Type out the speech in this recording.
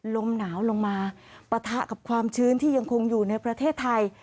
ลมหนาวลงมาปะทะกับความชื้นที่ยังคงอยู่ในประเทศไทย